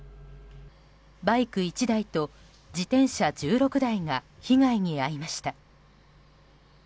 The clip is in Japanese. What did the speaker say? バイク１台と自転車１６台が被害に遭いました。